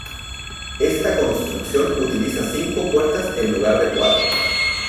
Esta construcción utiliza cinco puertas en lugar de cuatro.